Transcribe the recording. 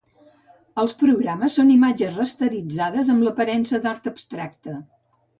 Els programes són imatges rasteritzades amb l'aparença d'art abstracte.